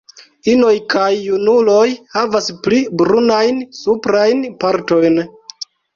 Inoj kaj junuloj havas pli brunajn suprajn partojn.